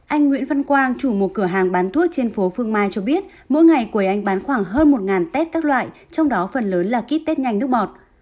anh nguyễn văn quang chủ một cửa hàng bán thuốc trên phố phương mai cho biết mỗi ngày quầy anh bán khoảng hơn một test các loại trong đó phần lớn là kít tết nhanh nước bọt